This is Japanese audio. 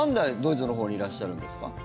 なんでドイツのほうにいらっしゃるんですか？